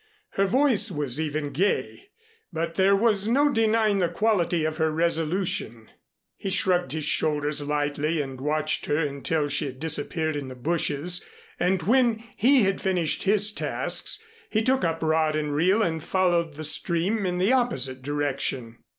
Her voice was even gay, but there was no denying the quality of her resolution. He shrugged his shoulders lightly and watched her until she had disappeared in the bushes, and when he had finished his tasks, he took up rod and creel and followed the stream in the opposite direction.